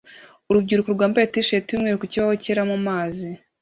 Urubyiruko rwambaye T-shirt yumweru ku kibaho cyera mumazi